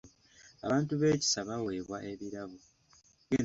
Abantu ab'ekisa bawebwa ebirabo.